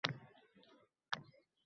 Tillashsa bo’lardi